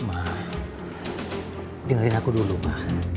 ma dengerin aku dulu ma